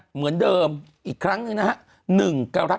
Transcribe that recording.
เหมือนเดิมอีกครั้งหนึ่งนะฮะ